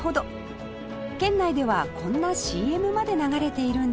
県内ではこんな ＣＭ まで流れているんです